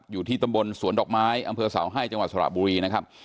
อยู่ที่ตำบลสวนดอกไม้อำเภอเสาให้จังหวัดสระบุรีนะครับ